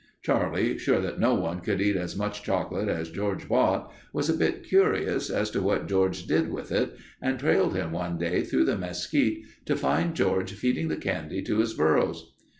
Charlie, sure that no one could eat as much chocolate as George bought, was a bit curious as to what George did with it and trailed him one day through the mesquite to find George feeding the candy to his burros.